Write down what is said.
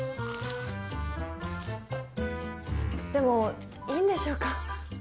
でもいいんでしょうか？